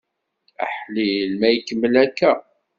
Aḥlil ma ikemmel akka!